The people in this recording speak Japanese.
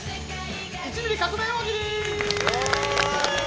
１ミリ革命大喜利！